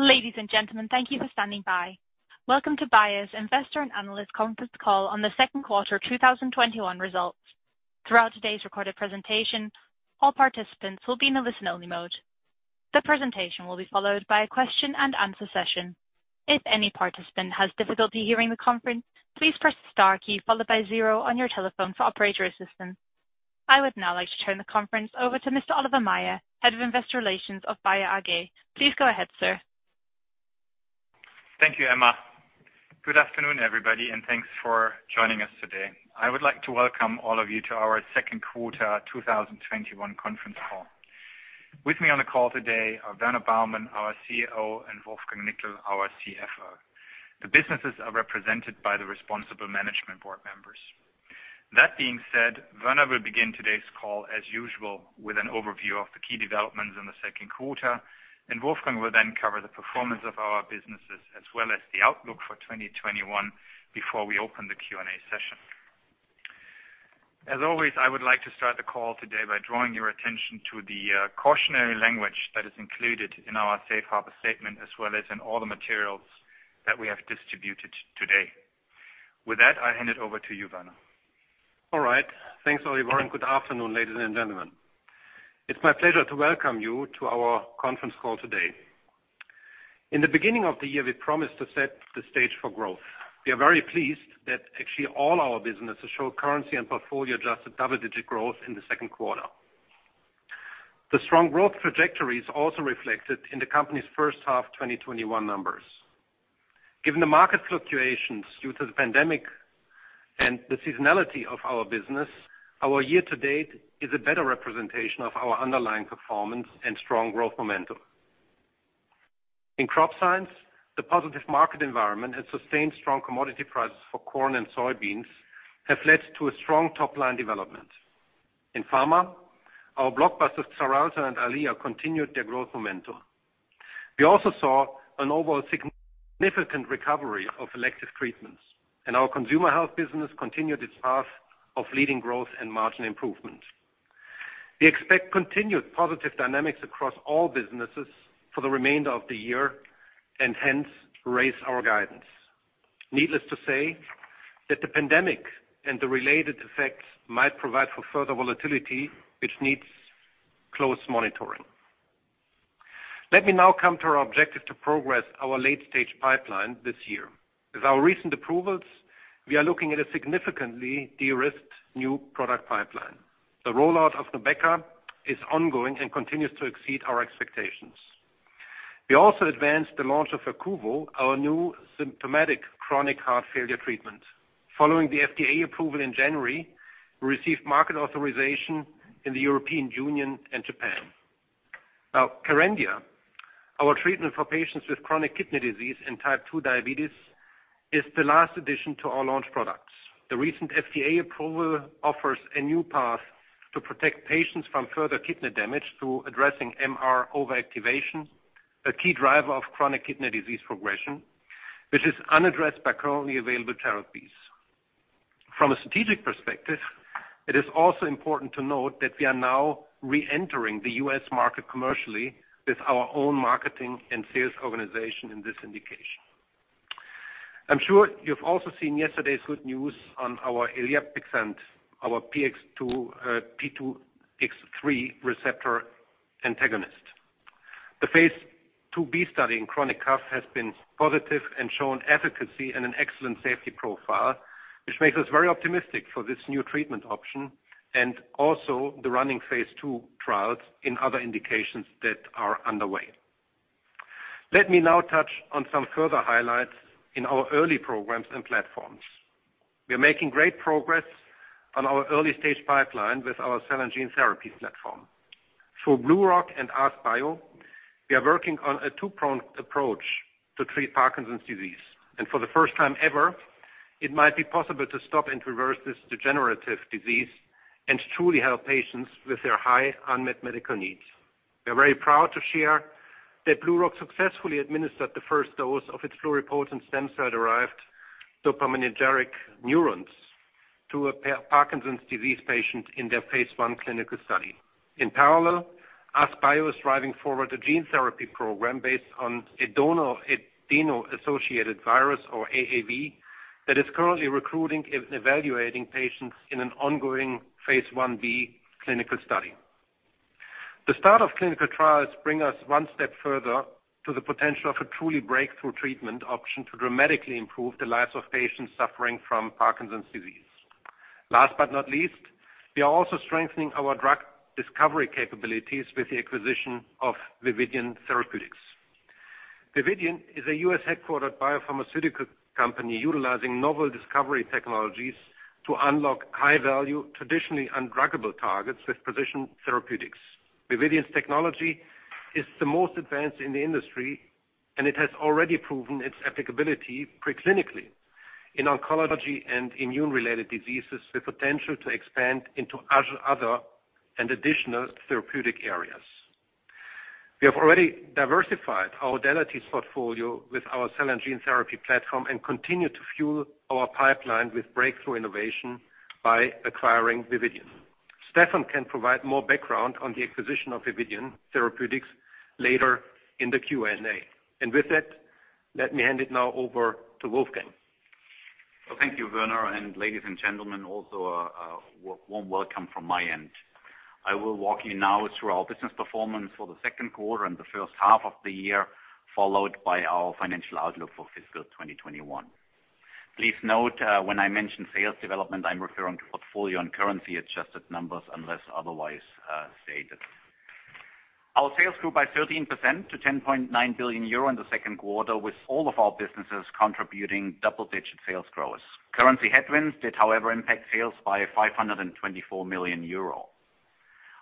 Ladies and gentlemen, thank you for standing by. Welcome to Bayer's Investor and Analyst Conference Call on the Q2 2021 results. Throughout today's recorded presentation, all participants will be in a listen-only mode. The presentation will be followed by a question and answer session. If any participant has difficulty hearing the conference, please press the star key followed by zero on your telephone for operator assistance. I would now like to turn the conference over to Mr. Oliver Maier, Head of Investor Relations of Bayer AG. Please go ahead, sir. Thank you, Emma. Good afternoon, everybody, and thanks for joining us today. I would like to welcome all of you to our Q2 2021 conference call. With me on the call today are Werner Baumann, our CEO, and Wolfgang Nickl, our CFO. The businesses are represented by the responsible management board members. That being said, Werner will begin today's call as usual, with an overview of the key developments in the Q2, and Wolfgang will then cover the performance of our businesses as well as the outlook for 2021 before we open the Q&A session. As always, I would like to start the call today by drawing your attention to the cautionary language that is included in our safe harbor statement, as well as in all the materials that we have distributed today. With that, I hand it over to you, Werner. All right. Thanks, Oliver, and good afternoon, ladies and gentlemen. It's my pleasure to welcome you to our conference call today. In the beginning of the year, we promised to set the stage for growth. We are very pleased that actually all our businesses show currency and portfolio-adjusted double-digit growth in the Q2. The strong growth trajectory is also reflected in the company's H1 2021 numbers. Given the market fluctuations due to the pandemic and the seasonality of our business, our year-to-date is a better representation of our underlying performance and strong growth momentum. In Crop Science, the positive market environment has sustained strong commodity prices for corn and soybeans have led to a strong top-line development. In Pharma, our blockbusters, Xarelto and Eylea, continued their growth momentum. We also saw an overall significant recovery of elective treatments, and our Consumer Health business continued its path of leading growth and margin improvement. We expect continued positive dynamics across all businesses for the remainder of the year, and hence, raise our guidance. Needless to say that the pandemic and the related effects might provide for further volatility, which needs close monitoring. Let me now come to our objective to progress our late-stage pipeline this year. With our recent approvals, we are looking at a significantly de-risked new product pipeline. The rollout of NUBEQA is ongoing and continues to exceed our expectations. We also advanced the launch of Verquvo, our new symptomatic chronic heart failure treatment. Following the FDA approval in January, we received market authorization in the European Union and Japan. Kerendia, our treatment for patients with chronic kidney disease and Type 2 diabetes, is the last addition to our launch products. The recent FDA approval offers a new path to protect patients from further kidney damage through addressing MR overactivation, a key driver of chronic kidney disease progression, which is unaddressed by currently available therapies. From a strategic perspective, it is also important to note that we are now re-entering the U.S. market commercially with our own marketing and sales organization in this indication. I'm sure you've also seen yesterday's good news on our eliapixant, our P2X3 receptor antagonist. The phase II-B study in chronic cough has been positive and shown efficacy and an excellent safety profile, which makes us very optimistic for this new treatment option and also the running phase II trials in other indications that are underway. Let me now touch on some further highlights in our early programs and platforms. We are making great progress on our early-stage pipeline with our cell and gene therapy platform. Through BlueRock and AskBio, we are working on a two-pronged approach to treat Parkinson's disease. For the first time ever, it might be possible to stop and reverse this degenerative disease and truly help patients with their high unmet medical needs. We are very proud to share that BlueRock successfully administered the first dose of its pluripotent stem cell-derived dopaminergic neurons to a Parkinson's disease patient in their phase I clinical study. In parallel, AskBio is driving forward a gene therapy program based on adeno-associated virus or AAV that is currently recruiting and evaluating patients in an ongoing phase I-B clinical study. The start of clinical trials bring us one step further to the potential of a truly breakthrough treatment option to dramatically improve the lives of patients suffering from Parkinson's disease. Last but not least, we are also strengthening our drug discovery capabilities with the acquisition of Vividion Therapeutics. Vividion is a U.S.-headquartered biopharmaceutical company utilizing novel discovery technologies to unlock high value, traditionally undruggable targets with precision therapeutics. Vividion's technology is the most advanced in the industry, and it has already proven its applicability pre-clinically in oncology and immune-related diseases with potential to expand into other and additional therapeutic areas. We have already diversified our modalities portfolio with our cell and gene therapy platform and continue to fuel our pipeline with breakthrough innovation by acquiring Vividion. Stefan can provide more background on the acquisition of Vividion Therapeutics later in the Q&A. With that, let me hand it now over to Wolfgang. Thank you, Werner, and ladies and gentlemen, also a warm welcome from my end. I will walk you now through our business performance for the Q2 and the H1 of the year, followed by our financial outlook for fiscal 2021. Please note, when I mention sales development, I'm referring to portfolio and currency-adjusted numbers unless otherwise stated. Our sales grew by 13% to 10.9 billion euro in the Q2, with all of our businesses contributing double-digit sales growth. Currency headwinds did, however, impact sales by 524 million euro.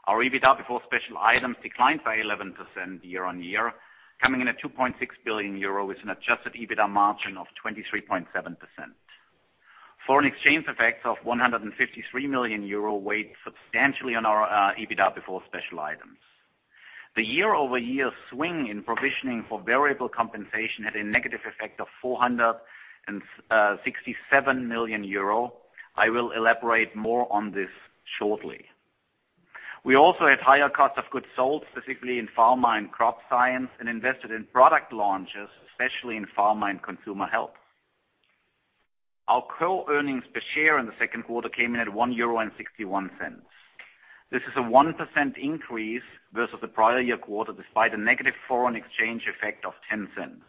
Our EBITDA before special items declined by 11% year-on-year, coming in at 2.6 billion euro with an adjusted EBITDA margin of 23.7%. Foreign exchange effects of 153 million euro weighed substantially on our EBITDA before special items. The year-over-year swing in provisioning for variable compensation had a negative effect of 467 million euro. I will elaborate more on this shortly. We also had higher costs of goods sold, specifically in pharma and Crop Science, and invested in product launches, especially in pharma and Consumer Health. Our core earnings per share in the Q2 came in at 1.61 euro. This is a 1% increase versus the prior year quarter, despite a negative foreign exchange effect of 0.10.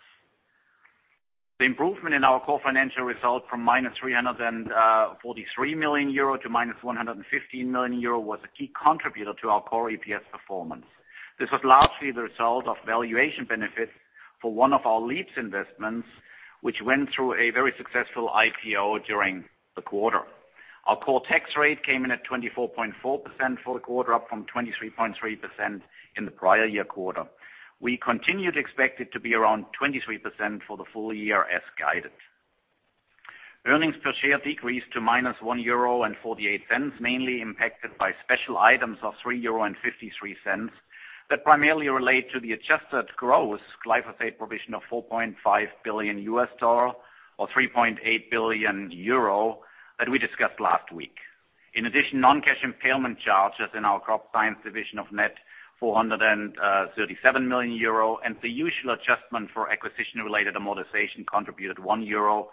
The improvement in our core financial result from minus 343 million euro to minus 115 million euro was a key contributor to our core EPS performance. This was largely the result of valuation benefits for one of our Leaps investments, which went through a very successful IPO during the quarter. Our core tax rate came in at 24.4% for the quarter, up from 23.3% in the prior year quarter. We continue to expect it to be around 23% for the full year as guided. Earnings per share decreased to minus 1.48 euro, mainly impacted by special items of 3.53 euro that primarily relate to the adjusted gross glyphosate provision of $4.5 billion or 3.8 billion euro that we discussed last week. Non-cash impairment charges in our Crop Science division of net 437 million euro and the usual adjustment for acquisition-related amortization contributed 1.04 euro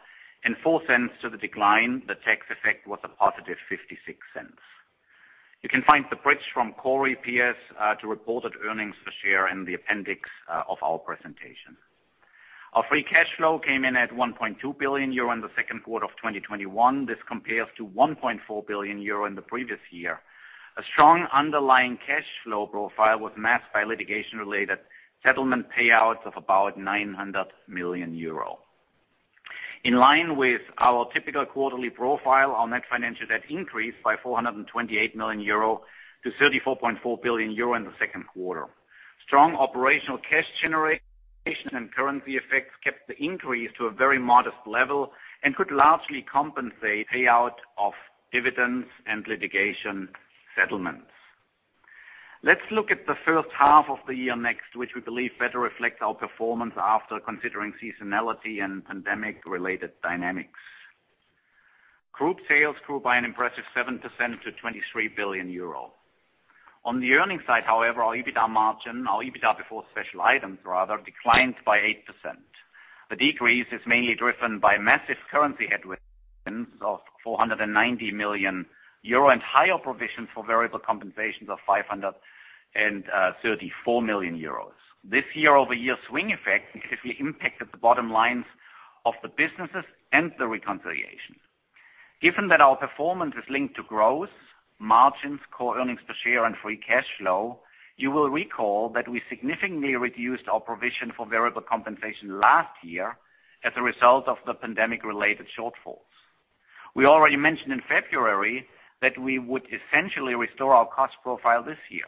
to the decline. The tax effect was a positive 0.56. You can find the bridge from core EPS to reported earnings per share in the appendix of our presentation. Our free cash flow came in at 1.2 billion euro in the Q2 of 2021. This compares to 1.4 billion euro in the previous year. A strong underlying cash flow profile was masked by litigation-related settlement payouts of about 900 million euro. In line with our typical quarterly profile, our net financial debt increased by 428 million euro to 34.4 billion euro in the Q2. Strong operational cash generation and currency effects kept the increase to a very modest level and could largely compensate payout of dividends and litigation settlements. Let's look at the H1 of the year next, which we believe better reflects our performance after considering seasonality and pandemic-related dynamics. Group sales grew by an impressive 7% to 23 billion euro. On the earnings side, however, our EBITDA margin, our EBITDA before special items rather, declined by 8%. The decrease is mainly driven by massive currency headwinds of 490 million euro and higher provisions for variable compensations of 534 million euros. This year-over-year swing effect significantly impacted the bottom lines of the businesses and the reconciliation. Given that our performance is linked to growth, margins, core earnings per share, and free cash flow, you will recall that we significantly reduced our provision for variable compensation last year as a result of the pandemic-related shortfalls. We already mentioned in February that we would essentially restore our cost profile this year.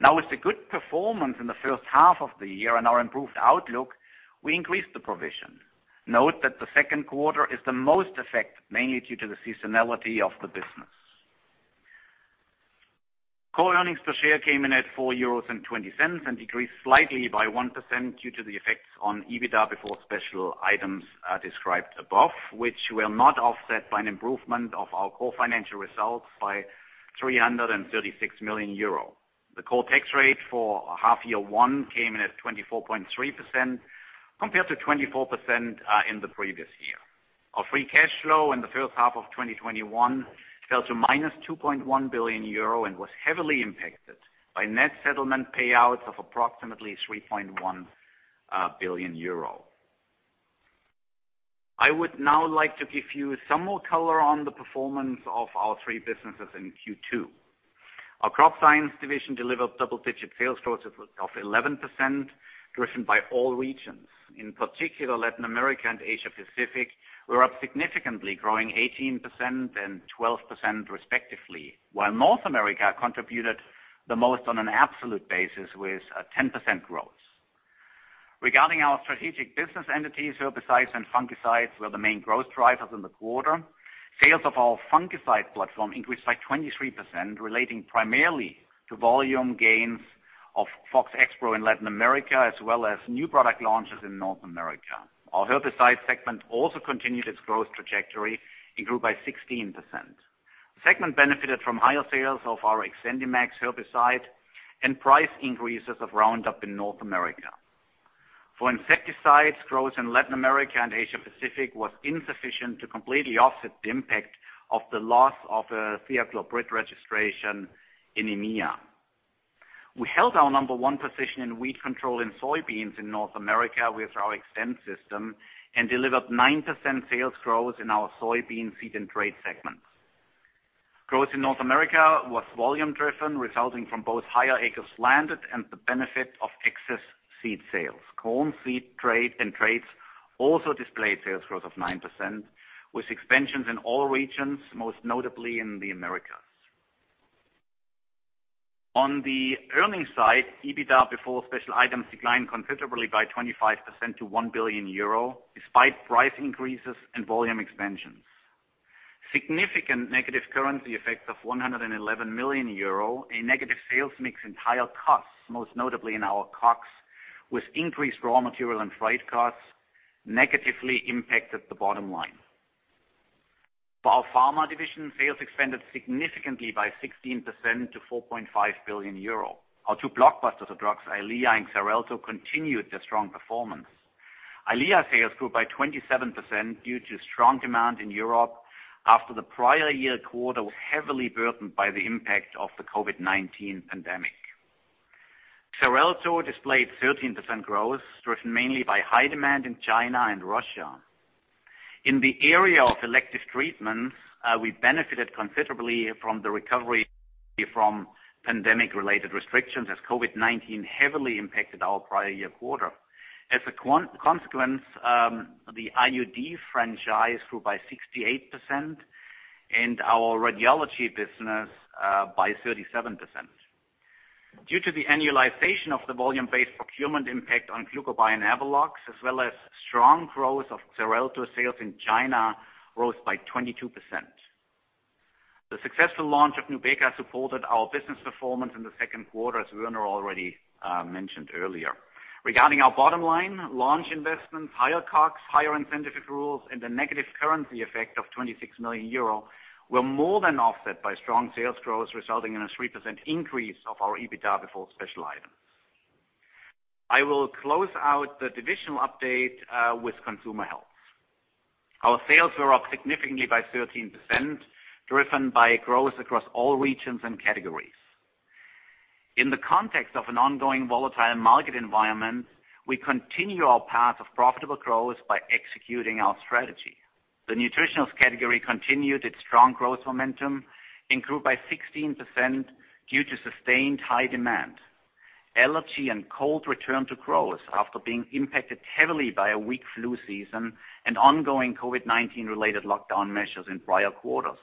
Now with the good performance in the H1 of the year and our improved outlook, we increased the provision. Note that the Q2 is the most affected, mainly due to the seasonality of the business. Core earnings per share came in at 4.20 euros and decreased slightly by 1% due to the effects on EBITDA before special items described above, which were not offset by an improvement of our core financial results by 336 million euro. The core tax rate for half year one came in at 24.3% compared to 24% in the previous year. Our free cash flow in the H1 of 2021 fell to minus 2.1 billion euro and was heavily impacted by net settlement payouts of approximately 3.1 billion euro. I would now like to give you some more color on the performance of our three businesses in Q2. Our Crop Science division delivered double-digit sales growth of 11%, driven by all regions. In particular, Latin America and Asia Pacific were up significantly, growing 18% and 12% respectively. While North America contributed the most on an absolute basis with a 10% growth. Regarding our strategic business entities, herbicides and fungicides were the main growth drivers in the quarter. Sales of our fungicide platform increased by 23%, relating primarily to volume gains of Fox Xpro in Latin America, as well as new product launches in North America. Our herbicide segment also continued its growth trajectory and grew by 16%. The segment benefited from higher sales of our XtendiMax herbicide and price increases of Roundup in North America. For insecticides, growth in Latin America and Asia Pacific was insufficient to completely offset the impact of the loss of a thiacloprid registration in EMEA. We held our number one position in weed control in soybeans in North America with our Xtend system and delivered 9% sales growth in our soybean seed and trait segments. Growth in North America was volume-driven, resulting from both higher acres planted and the benefit of excess seed sales. Corn seed and traits also displayed sales growth of 9%, with expansions in all regions, most notably in the Americas. On the earnings side, EBITDA before special items declined considerably by 25% to €1 billion, despite price increases and volume expansions. Significant negative currency effects of €111 million in negative sales mix and higher costs, most notably in our COGS, with increased raw material and freight costs, negatively impacted the bottom line. For our Pharma division, sales expanded significantly by 16% to €4.5 billion. Our two blockbuster drugs, Eylea and Xarelto, continued their strong performance. Eylea sales grew by 27% due to strong demand in Europe after the prior year quarter was heavily burdened by the impact of the COVID-19 pandemic. Xarelto displayed 13% growth, driven mainly by high demand in China and Russia. In the area of elective treatments, we benefited considerably from the recovery from pandemic-related restrictions as COVID-19 heavily impacted our prior year quarter. As a consequence, the IUD franchise grew by 68%, and our radiology business by 37%. Due to the annualization of the volume-based procurement impact on Glucobay and Avelox, as well as strong growth of Xarelto sales in China rose by 22%. The successful launch of NUBEQA supported our business performance in the Q2, as Werner already mentioned earlier. Regarding our bottom line, launch investments, higher COGS, higher incentive rules, and the negative currency effect of 26 million euro were more than offset by strong sales growth, resulting in a 3% increase of our EBITDA before special items. I will close out the divisional update with Consumer Health. Our sales were up significantly by 13%, driven by growth across all regions and categories. In the context of an ongoing volatile market environment, we continue our path of profitable growth by executing our strategy. The Nutritionals category continued its strong growth momentum and grew by 16% due to sustained high demand. Allergy and Cold returned to growth after being impacted heavily by a weak flu season and ongoing COVID-19 related lockdown measures in prior quarters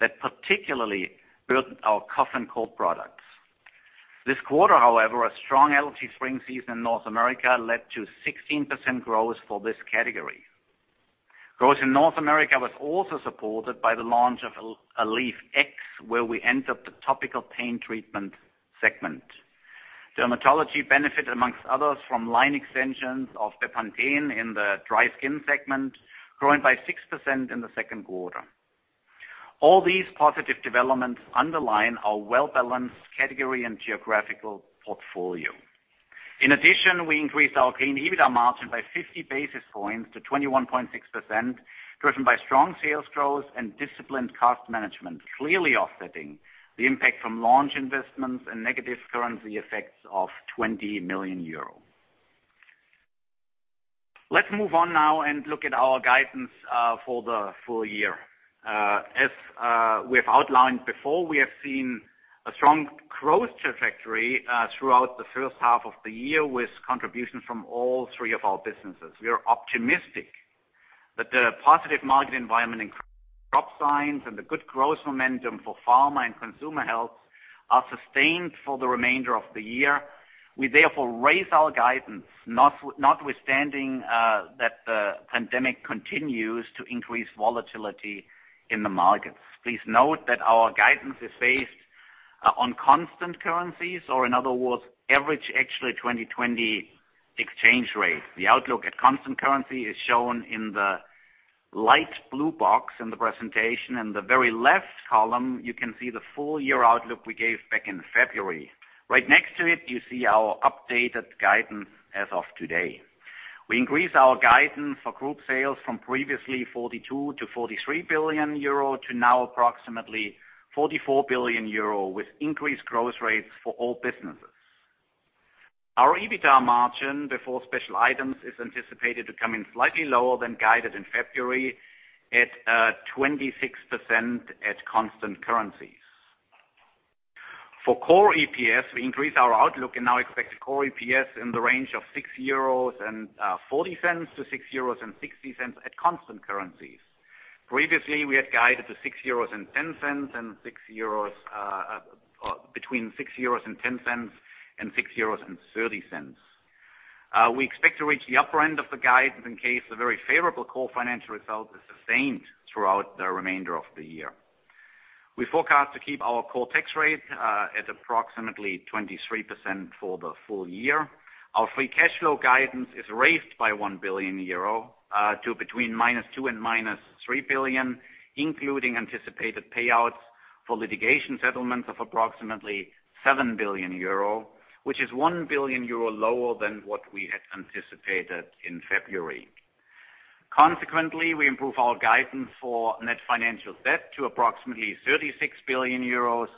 that particularly burdened our cough and cold products. This quarter, however, a strong allergy spring season in North America led to 16% growth for this category. Growth in North America was also supported by the launch of Avelox, where we entered the topical pain treatment segment. Dermatology benefited amongst others from line extensions of Bepanthen in the dry skin segment, growing by 6% in the Q2. All these positive developments underline our well-balanced category and geographical portfolio. We increased our clean EBITDA margin by 50 basis points to 21.6%, driven by strong sales growth and disciplined cost management, clearly offsetting the impact from launch investments and negative currency effects of 20 million euro. Let's move on now and look at our guidance for the full year. As we've outlined before, we have seen a strong growth trajectory throughout the H1 of the year with contributions from all three of our businesses. We are optimistic that the positive market environment in Crop Science and the good growth momentum for Pharma and Consumer Health are sustained for the remainder of the year. We therefore raise our guidance, notwithstanding that the pandemic continues to increase volatility in the markets. Please note that our guidance is based on constant currencies, or in other words, average actual 2020 exchange rates. The outlook at constant currency is shown in the light blue box in the presentation. In the very left column, you can see the full-year outlook we gave back in February. Right next to it, you see our updated guidance as of today. We increased our guidance for group sales from previously 42 billion-43 billion euro to now approximately 44 billion euro, with increased growth rates for all businesses. Our EBITDA margin before special items is anticipated to come in slightly lower than guided in February at 26% at constant currencies. For core EPS, we increased our outlook and now expect core EPS in the range of 6.40-6.60 euros at constant currencies. Previously, we had guided between 6.10 euros and 6.30 euros. We expect to reach the upper end of the guidance in case the very favorable core financial result is sustained throughout the remainder of the year. We forecast to keep our core tax rate at approximately 23% for the full year. Our free cash flow guidance is raised by 1 billion euro to between minus 2 billion and minus 3 billion, including anticipated payouts for litigation settlements of approximately 7 billion euro, which is 1 billion euro lower than what we had anticipated in February. Consequently, we improve our guidance for net financial debt to approximately 36 billion euros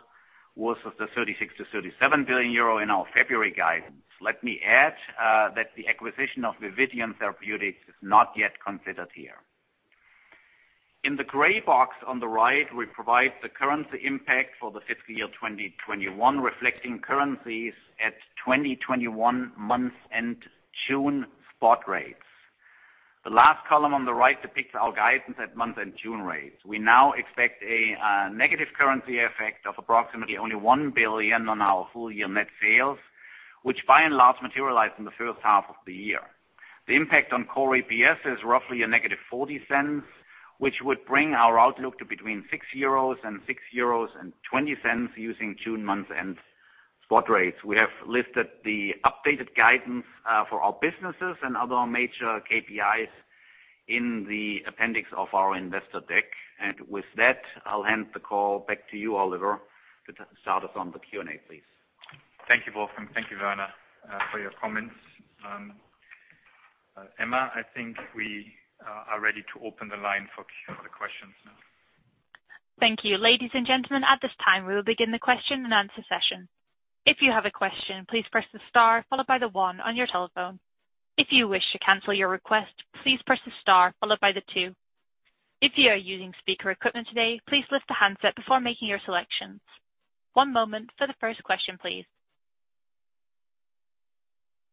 versus the 36 billion-37 billion euro in our February guidance. Let me add that the acquisition of Vividion Therapeutics is not yet considered here. In the gray box on the right, we provide the currency impact for the fiscal year 2021, reflecting currencies at 2021 month-end June spot rates. The last column on the right depicts our guidance at month-end June rates. We now expect a negative currency effect of approximately only 1 billion on our full year net sales, which by and large materialized in the H1 of the year. The impact on core EPS is roughly a negative 0.40, which would bring our outlook to between €6 and €6.20 using June month-end spot rates. We have listed the updated guidance for our businesses and other major KPIs in the appendix of our investor deck. With that, I'll hand the call back to you, Oliver, to start us on the Q&A, please. Thank you, Wolfgang. Thank you, Werner, for your comments. Emma, I think we are ready to open the line for the questions now.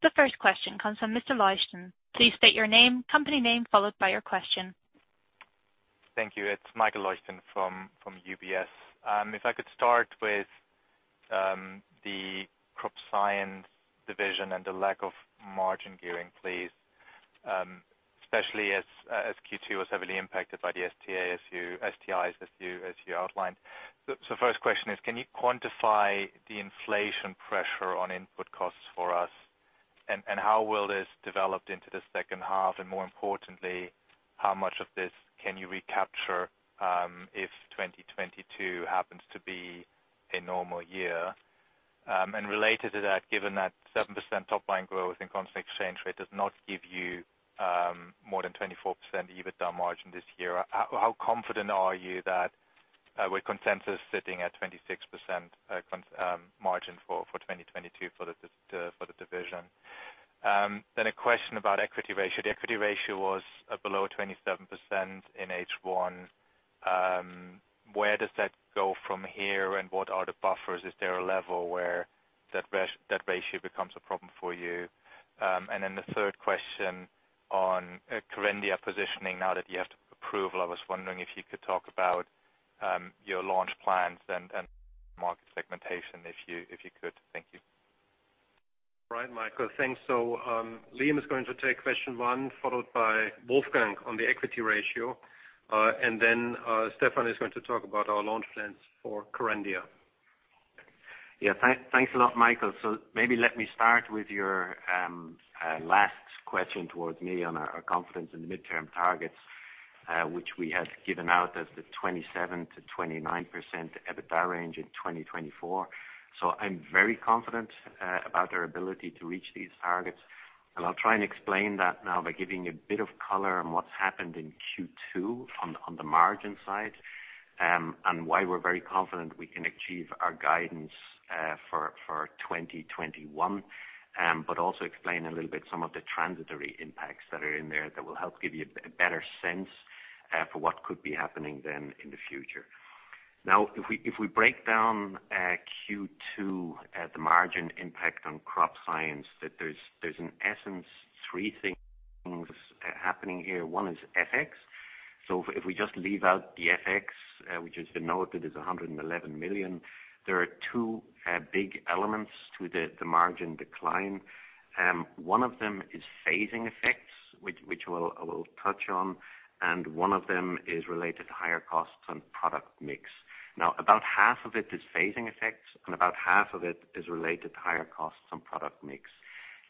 The first question comes from Mr. Leuchten. Please state your name, company name, followed by your question. Thank you. It's Michael Leuchten from UBS. If I could start with the Crop Science division and the lack of margin gearing, please, especially as Q2 was heavily impacted by the STIs as you outlined. First question is, can you quantify the inflation pressure on input costs for us? How will this develop into the H2? More importantly, how much of this can you recapture if 2022 happens to be a normal year? Related to that, given that 7% top-line growth in constant exchange rate does not give you more than 24% EBITDA margin this year, how confident are you that with consensus sitting at 26% margin for 2022 for the division? A question about equity ratio. The equity ratio was below 27% in H1. Where does that go from here and what are the buffers? Is there a level where that ratio becomes a problem for you? The third question on Kerendia positioning. Now that you have approval, I was wondering if you could talk about your launch plans and market segmentation, if you could. Thank you. Right, Michael. Thanks. Liam is going to take question one, followed by Wolfgang on the equity ratio, then Stefan is going to talk about our launch plans for Kerendia. Thanks a lot, Michael. Maybe let me start with your last question towards me on our confidence in the midterm targets, which we had given out as the 27%-29% EBITDA range in 2024. I'm very confident about our ability to reach these targets, and I'll try and explain that now by giving a bit of color on what's happened in Q2 on the margin side, and why we're very confident we can achieve our guidance for 2021. Also explain a little bit some of the transitory impacts that are in there that will help give you a better sense for what could be happening then in the future. If we break down Q2 at the margin impact on Crop Science, that there's in essence three things happening here. One is FX. If we just leave out the FX, which as noted it is 111 million, there are two big elements to the margin decline. One of them is phasing effects, which I will touch on, and one of them is related to higher costs on product mix. About half of it is phasing effects, and about half of it is related to higher costs on product mix.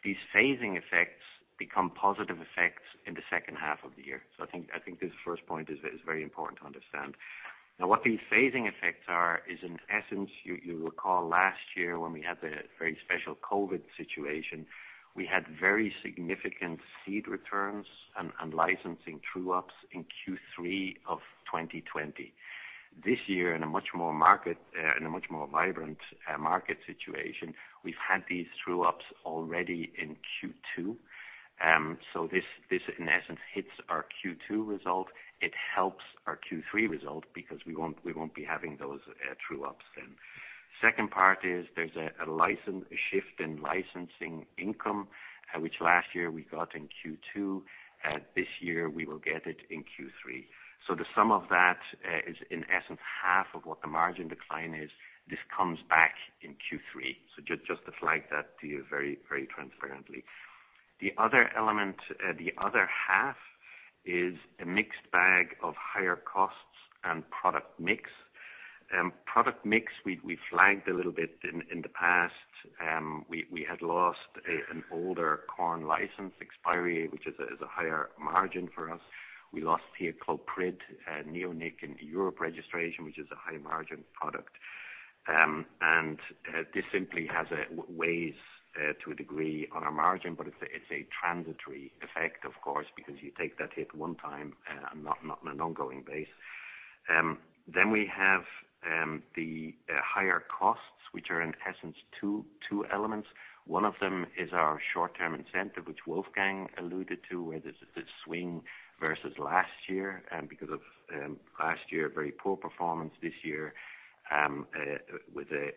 These phasing effects become positive effects in the H2 of the year. I think this first point is very important to understand. What these phasing effects are is in essence, you recall last year when we had the very special COVID situation, we had very significant seed returns and licensing true-ups in Q3 of 2020. This year, in a much more vibrant market situation, we've had these true-ups already in Q2. This in essence hits our Q2 result. It helps our Q3 result because we won't be having those true-ups then. Second part is there's a shift in licensing income, which last year we got in Q2. This year we will get it in Q3. The sum of that is in essence half of what the margin decline is. This comes back in Q3. Just to flag that to you very transparently. The other element, the other half is a mixed bag of higher costs and product mix. Product mix, we flagged a little bit in the past. We had lost an older corn license expiry, which is a higher margin for us. We lost here thiacloprid and neonicotinoid in Europe registration, which is a high-margin product. This simply has ways to a degree on our margin, but it is a transitory effect, of course, because you take that hit one time and not on an ongoing base. We have the higher costs, which are in essence two elements. One of them is our short-term incentive, which Wolfgang alluded to, where there is this swing versus last year and because of last year, very poor performance this year with a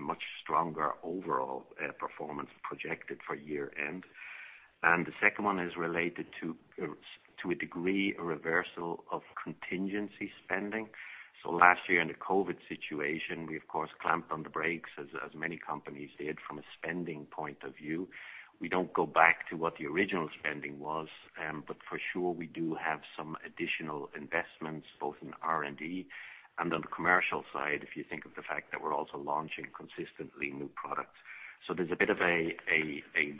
much stronger overall performance projected for year-end. The second one is related to a degree, a reversal of contingency spending. Last year in the COVID situation, we of course clamped on the brakes as many companies did from a spending point of view. We don't go back to what the original spending was, but for sure, we do have some additional investments both in R&D and on the commercial side, if you think of the fact that we're also launching consistently new products. There's a bit of a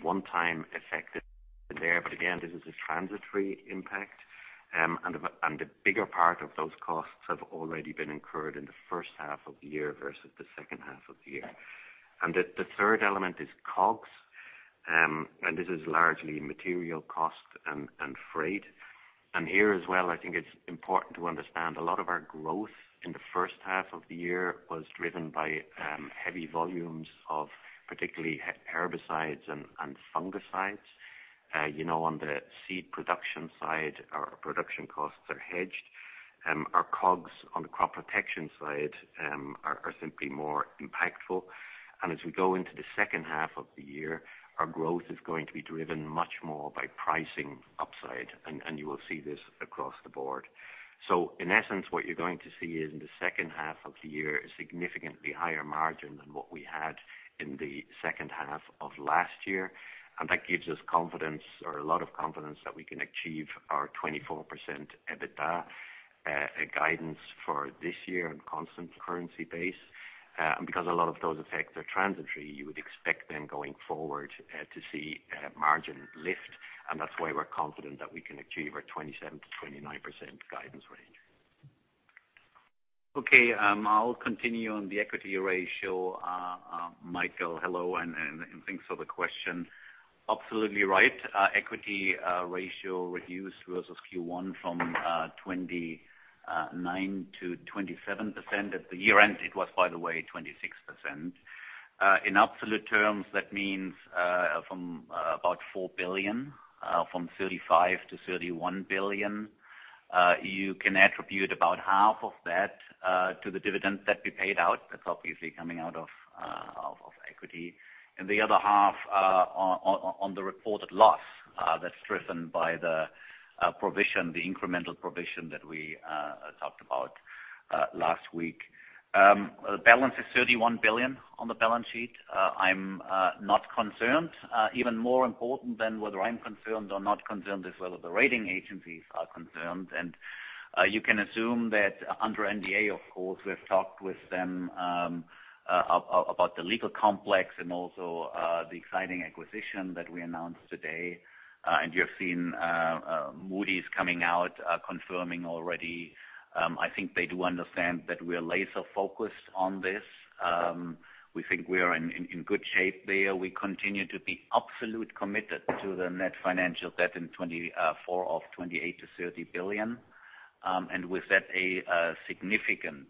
one-time effect there. Again, this is a transitory impact. The bigger part of those costs have already been incurred in the H1 of the year versus the H2 of the year. The third element is COGS, and this is largely material cost and freight. Here as well, I think it's important to understand a lot of our growth in the H1 of the year was driven by heavy volumes of particularly herbicides and fungicides. On the seed production side, our production costs are hedged. Our COGS on the crop protection side are simply more impactful. As we go into the H2 of the year, our growth is going to be driven much more by pricing upside. You will see this across the board. In essence, what you're going to see is in the H2 of the year, a significantly higher margin than what we had in the H2 of last year. That gives us confidence or a lot of confidence that we can achieve our 24% EBITDA guidance for this year on a constant currency base. Because a lot of those effects are transitory, you would expect then going forward, to see margin lift. That's why we're confident that we can achieve our 27%-29% guidance range. Okay. I'll continue on the equity ratio. Michael, hello and thanks for the question. Absolutely right. Equity ratio reduced versus Q1 from 29%-27%. At the year-end, it was, by the way, 26%. In absolute terms, that means from about 4 billion, from 35 billion-31 billion. You can attribute about half of that to the dividend that we paid out. That's obviously coming out of equity. The other half on the reported loss that's driven by the provision, the incremental provision that we talked about last week. The balance is 31 billion on the balance sheet. I'm not concerned. Even more important than whether I'm concerned or not concerned is whether the rating agencies are concerned. You can assume that under NDA, of course, we've talked with them about the legal complex and also the exciting acquisition that we announced today. You have seen Moody's coming out confirming already. I think they do understand that we are laser-focused on this. We think we are in good shape there. We continue to be absolute committed to the net financial debt in 2024 of 28 billion-30 billion. With that, a significant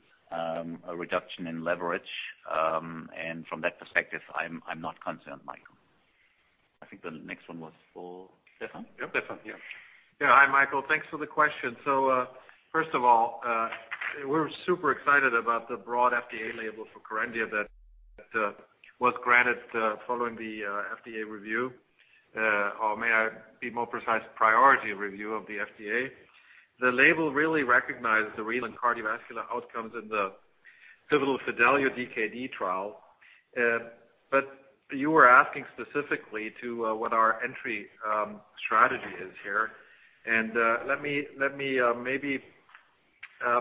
reduction in leverage. From that perspective, I'm not concerned, Michael. I think the next one was for Stefan? Yep. Stefan. Yeah. Hi, Michael. Thanks for the question. First of all, we're super excited about the broad FDA label for Kerendia that was granted following the FDA review. May I be more precise, priority review of the FDA. The label really recognized the renal and cardiovascular outcomes in the pivotal FIDELIO-DKD trial. You were asking specifically to what our entry strategy is here. Let me maybe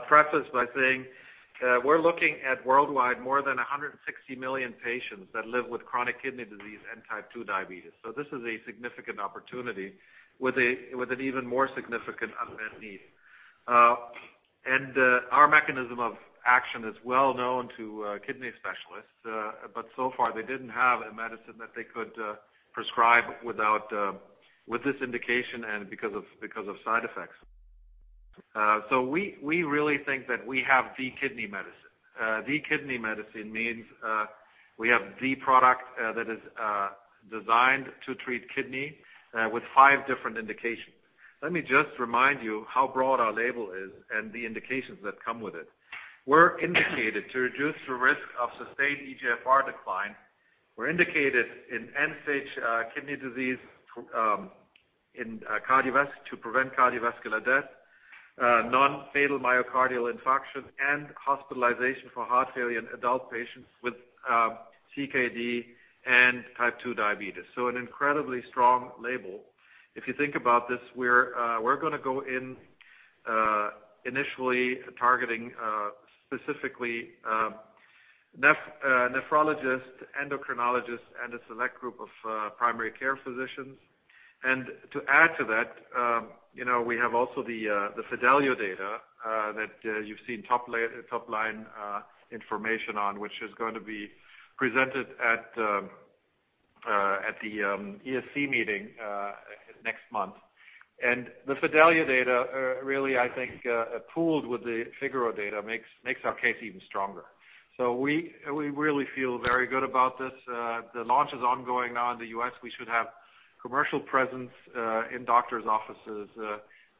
preface by saying that we're looking at worldwide more than 160 million patients that live with chronic kidney disease and type two diabetes. This is a significant opportunity with an even more significant unmet need. Our mechanism of action is well known to kidney specialists. So far they didn't have a medicine that they could prescribe with this indication and because of side effects. We really think that we have the kidney medicine. The kidney medicine means we have the product that is designed to treat kidney with five different indications. Let me just remind you how broad our label is and the indications that come with it. We are indicated to reduce the risk of sustained eGFR decline. We are indicated in end-stage kidney disease to prevent cardiovascular death. Non-fatal myocardial infarction and hospitalization for heart failure in adult patients with CKD and Type 2 diabetes. An incredibly strong label. If you think about this, we are going to go in initially targeting specifically nephrologists, endocrinologists, and a select group of primary care physicians. To add to that we have also the FIDELIO data that you have seen top-line information on, which is going to be presented at the ESC meeting next month. The FIDELIO data really, I think, pooled with the FIGARO data, makes our case even stronger. We really feel very good about this. The launch is ongoing now in the U.S. We should have commercial presence in doctors' offices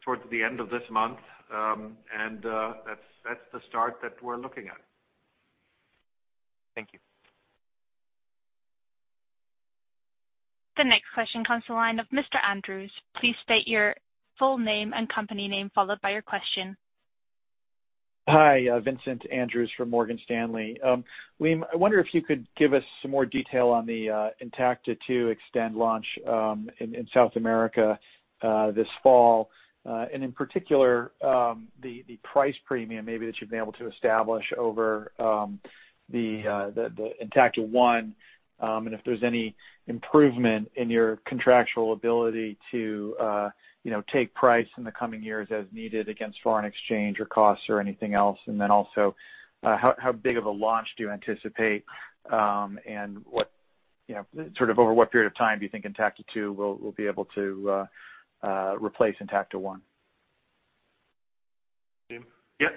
towards the end of this month. That's the start that we're looking at. Thank you. The next question comes to the line of Mr. Andrews. Please state your full name and company name, followed by your question. Hi, Vincent Andrews from Morgan Stanley. Liam, I wonder if you could give us some more detail on the Intacta 2 Xtend launch in South America this fall, and in particular, the price premium maybe that you've been able to establish over the Intacta1, and if there's any improvement in your contractual ability to take price in the coming years as needed against foreign exchange or costs or anything else. Also, how big of a launch do you anticipate? Sort of over what period of time do you think Intacta2 will be able to replace Intacta1? Liam? Yeah.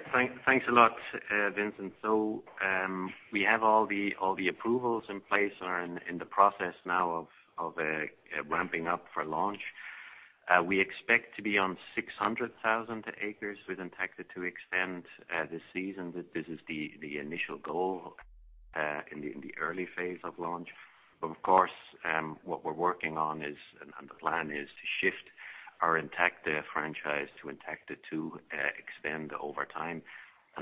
Thanks a lot, Vincent. We have all the approvals in place and are in the process now of ramping up for launch. We expect to be on 600,000 acres with Intacta 2 Xtend this season. This is the initial goal in the early phase of launch. Of course, what we're working on is, and the plan is, to shift our Intacta franchise to Intacta 2 Xtend over time.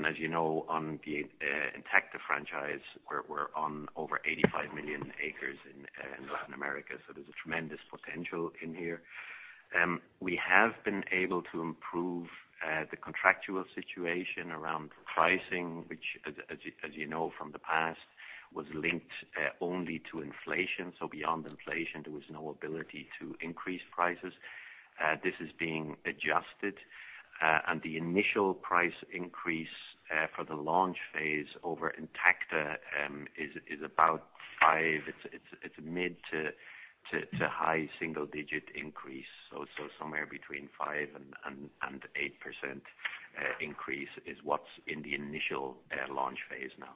As you know, on the Intacta franchise, we're on over 85 million acres in Latin America. There's a tremendous potential in here. We have been able to improve the contractual situation around pricing, which as you know from the past, was linked only to inflation. Beyond inflation, there was no ability to increase prices. This is being adjusted. The initial price increase for the launch phase over Intacta is about 5%. It's a mid to high single-digit increase. Somewhere between 5% and 8% increase is what's in the initial launch phase now.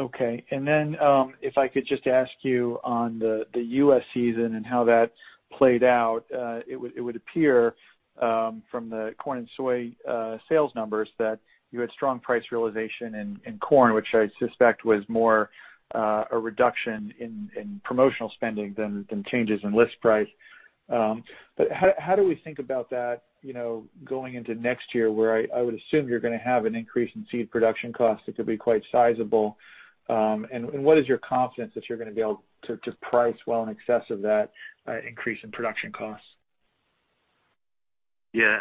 Okay. If I could just ask you on the U.S. season and how that played out. It would appear from the corn and soy sales numbers that you had strong price realization in corn, which I suspect was more a reduction in promotional spending than changes in list price. How do we think about that going into next year, where I would assume you're going to have an increase in seed production costs that could be quite sizable. What is your confidence that you're going to be able to price well in excess of that increase in production costs? Yeah.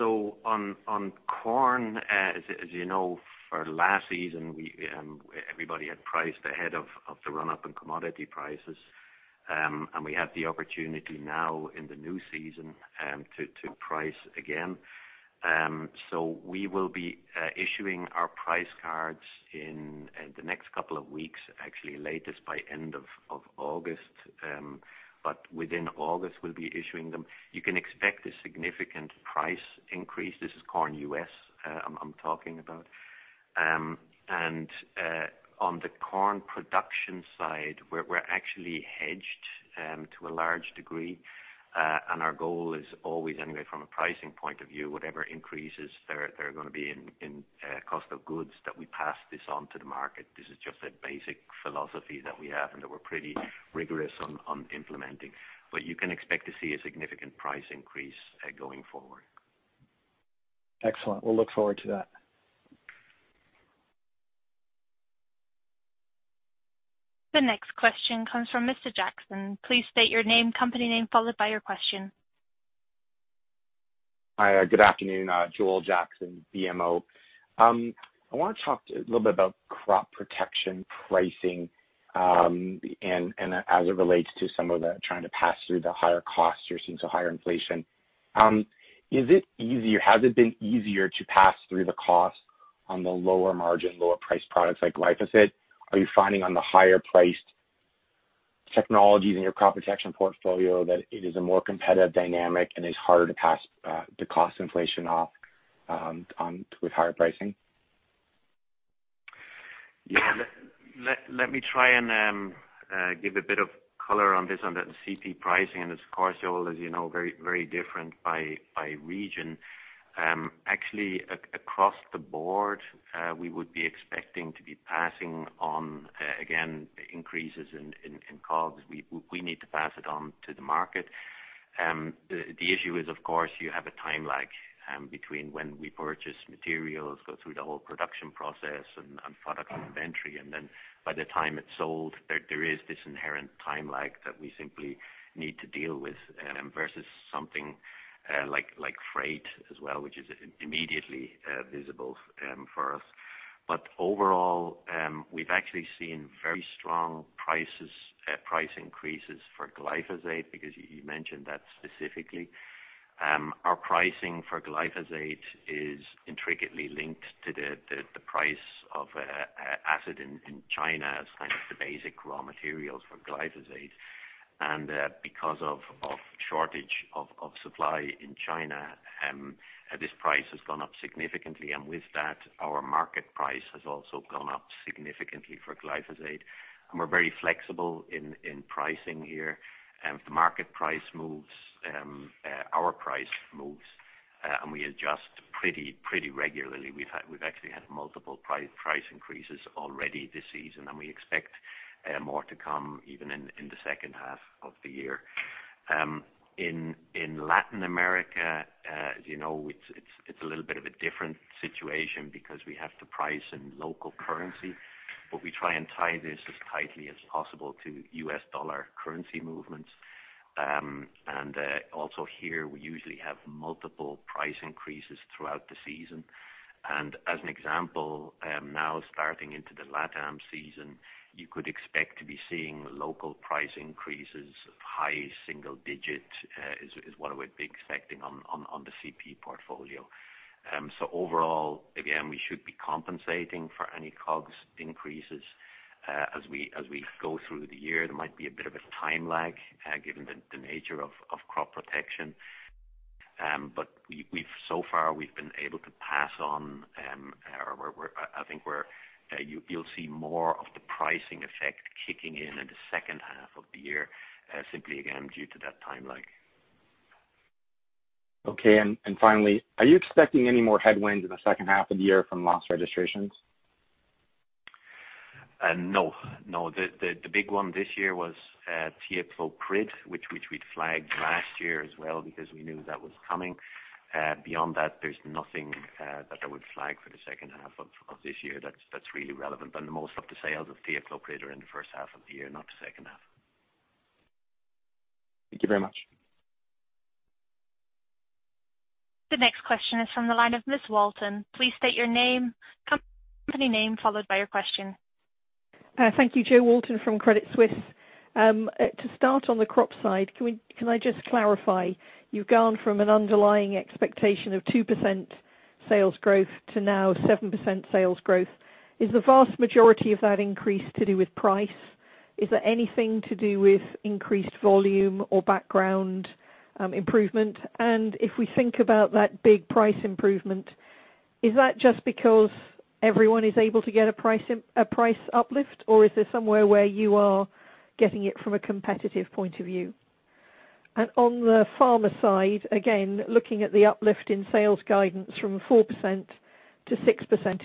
On corn, as you know, for last season, everybody had priced ahead of the run-up in commodity prices. We have the opportunity now in the new season to price again. We will be issuing our price cards in the next two weeks, actually latest by end of August. Within August, we'll be issuing them. You can expect a significant price increase. This is corn U.S. I'm talking about. On the corn production side, we're actually hedged to a large degree. Our goal is always, anyway, from a pricing point of view, whatever increases there are going to be in cost of goods, that we pass this on to the market. This is just a basic philosophy that we have and that we're pretty rigorous on implementing. You can expect to see a significant price increase going forward. Excellent. We'll look forward to that. The next question comes from Mr. Jackson. Please state your name, company name, followed by your question. Hi. Good afternoon. Joel Jackson, BMO. I want to talk a little bit about crop protection pricing and as it relates to some of the trying to pass through the higher costs you're seeing. Higher inflation. Is it easier, has it been easier to pass through the cost on the lower margin, lower priced products like glyphosate? Are you finding on the higher priced technologies in your crop protection portfolio that it is a more competitive dynamic and is harder to pass the cost inflation off with higher pricing? Let me try and give a bit of color on this, on the CP pricing, and of course, Joel, as you know, very different by region. Actually, across the board, we would be expecting to be passing on, again, increases in COGS. We need to pass it on to the market. The issue is, of course, you have a time lag between when we purchase materials, go through the whole production process and product inventory, and then by the time it's sold, there is this inherent time lag that we simply need to deal with versus something like freight as well, which is immediately visible for us. Overall, we've actually seen very strong price increases for glyphosate because you mentioned that specifically. Our pricing for glyphosate is intricately linked to the price of acid in China as kind of the basic raw materials for glyphosate. Because of shortage of supply in China, this price has gone up significantly, and with that, our market price has also gone up significantly for glyphosate. We're very flexible in pricing here. If the market price moves, our price moves, and we adjust pretty regularly. We've actually had multiple price increases already this season, and we expect more to come even in the H2 of the year. In Latin America, as you know, it's a little bit of a different situation because we have to price in local currency, but we try and tie this as tightly as possible to U.S. dollar currency movements. Also here, we usually have multiple price increases throughout the season. As an example, now starting into the LatAm season, you could expect to be seeing local price increases of high single-digit, is what we'd be expecting on the CP portfolio. Overall, again, we should be compensating for any COGS increases as we go through the year. There might be a bit of a time lag given the nature of crop protection. So far we've been able to pass on or I think you'll see more of the pricing effect kicking in in the H2 of the year, simply again, due to that time lag. Okay. Finally, are you expecting any more headwinds in the H2 of the year from lost registrations? No. The big one this year was thiacloprid, which we'd flagged last year as well because we knew that was coming. Beyond that, there's nothing that I would flag for the H2 of this year that's really relevant. The most of the sales of thiacloprid are in the H1 of the year, not the H2. Thank you very much. The next question is from the line of Ms. Walton. Please state your name, company name, followed by your question. Thank you. Jo Walton from Credit Suisse. To start on the crop side, can I just clarify, you've gone from an underlying expectation of 2% sales growth to now 7% sales growth. Is the vast majority of that increase to do with price? Is there anything to do with increased volume or background improvement? If we think about that big price improvement, is that just because everyone is able to get a price uplift, or is there somewhere where you are getting it from a competitive point of view? On the pharma side, again, looking at the uplift in sales guidance from 4%-6%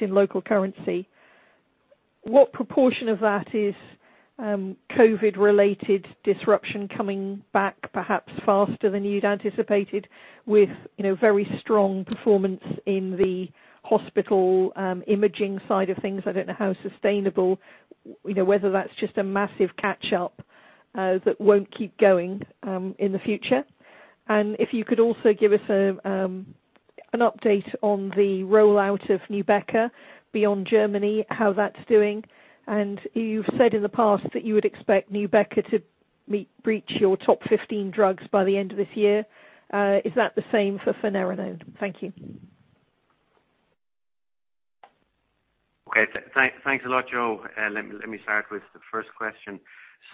in local currency, what proportion of that is COVID-related disruption coming back perhaps faster than you'd anticipated with very strong performance in the hospital imaging side of things? I don't know how sustainable, whether that's just a massive catch-up that won't keep going in the future. If you could also give us an update on the rollout of NUBEQA beyond Germany, how that's doing. You've said in the past that you would expect NUBEQA to reach your top 15 drugs by the end of this year. Is that the same for neratinib? Thank you. Okay. Thanks a lot, Jo. Let me start with the first question.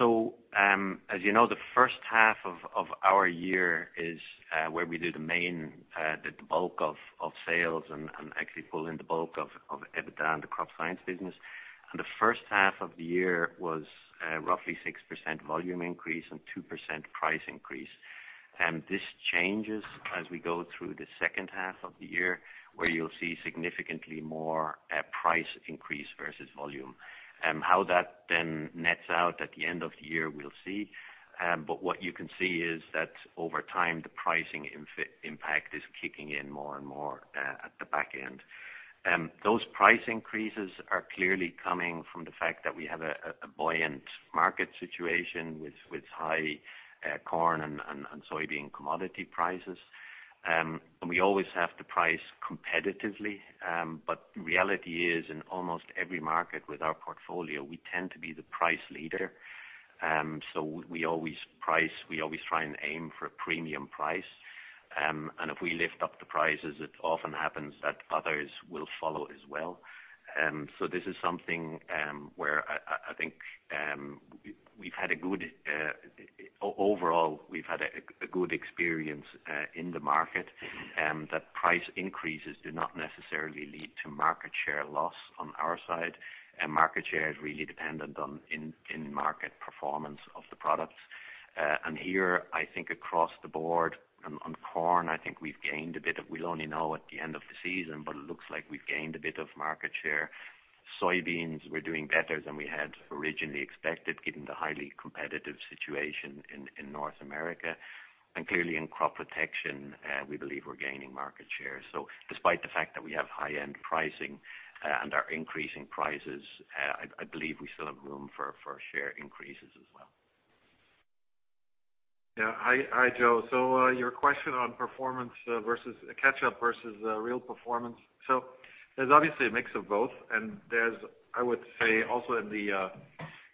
As you know, the H1 of our year is where we do the bulk of sales and actually pull in the bulk of EBITDA in the Crop Science business. The H1 of the year was roughly 6% volume increase and 2% price increase. This changes as we go through the H2 of the year, where you'll see significantly more price increase versus volume. How that nets out at the end of the year, we'll see. What you can see is that over time, the pricing impact is kicking in more and more at the back end. Those price increases are clearly coming from the fact that we have a buoyant market situation with high corn and soybean commodity prices. We always have to price competitively, but reality is, in almost every market with our portfolio, we tend to be the price leader. We always try and aim for a premium price. If we lift up the prices, it often happens that others will follow as well. This is something where I think overall, we've had a good experience in the market, that price increases do not necessarily lead to market share loss on our side. Market share is really dependent on in-market performance of the products. Here, across the board on corn, We'll only know at the end of the season, but it looks like we've gained a bit of market share. Soybeans, we're doing better than we had originally expected, given the highly competitive situation in North America. Clearly in crop protection, we believe we're gaining market share. Despite the fact that we have high-end pricing and are increasing prices, I believe we still have room for share increases as well. Yeah. Hi, Jo. Your question on performance versus catch-up versus real performance. There's obviously a mix of both, and there's, I would say also in the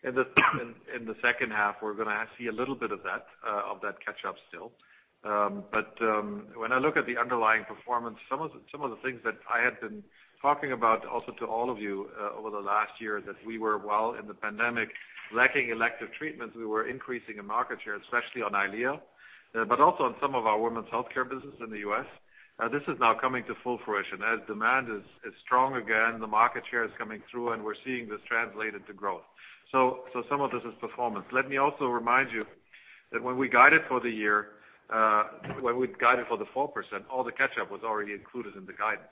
H2, we're going to see a little bit of that catch-up still. When I look at the underlying performance, some of the things that I had been talking about also to all of you over the last year, that we were well in the pandemic, lacking elective treatments, we were increasing in market share, especially on EYLEA. Also on some of our women's healthcare business in the U.S. This is now coming to full fruition. As demand is strong again, the market share is coming through, and we're seeing this translated to growth. Some of this is performance. Let me also remind you that when we guided for the year, when we guided for the 4%, all the catch-up was already included in the guidance.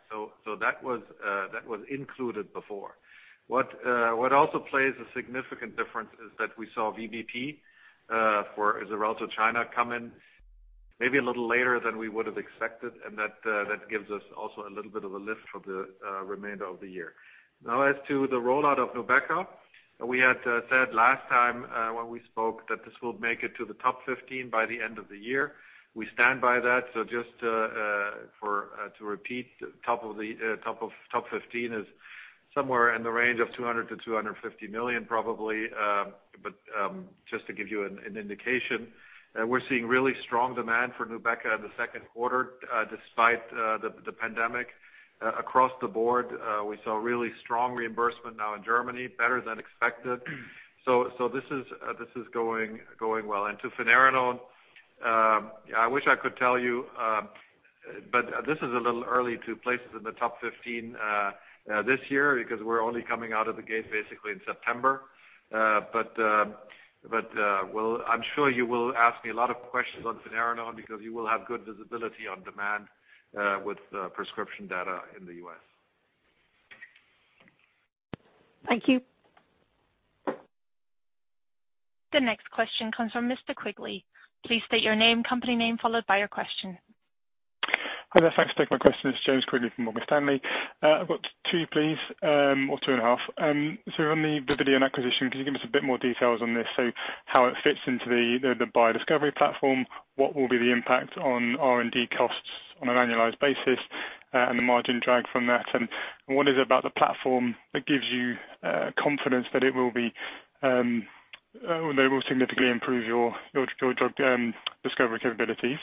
That was included before. What also plays a significant difference is that we saw VBP, for Xarelto China come in maybe a little later than we would have expected, and that gives us also a little bit of a lift for the remainder of the year. As to the rollout of NUBEQA, we had said last time when we spoke that this will make it to the top 15 by the end of the year. We stand by that. Just to repeat, top 15 is somewhere in the range of 200 million-250 million probably. Just to give you an indication, we're seeing really strong demand for NUBEQA in the Q2 despite the pandemic. Across the board, we saw really strong reimbursement now in Germany, better than expected. This is going well. To finerenone, I wish I could tell you, but this is a little early to place this in the top 15 this year, because we're only coming out of the gate basically in September. I'm sure you will ask me a lot of questions on finerenone because you will have good visibility on demand with prescription data in the U.S. Thank you. The next question comes from Mr. Quigley. Please state your name, company name, followed by your question. Hi there. Thanks for taking my question. It's James Quigley from Morgan Stanley. I've got two, please, or two and a half. On the Vividion acquisition, can you give us a bit more details on this? How it fits into the biodiscovery platform, what will be the impact on R&D costs on an annualized basis, and the margin drag from that? What is it about the platform that gives you confidence that it will significantly improve your drug discovery capabilities?